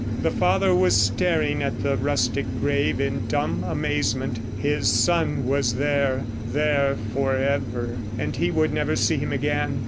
The father was staring at the rustic grave in dumb amazement. His son was there, there forever! ... and he would never see him again!